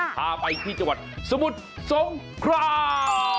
พาไปที่จังหวัดสมุทรสงคราม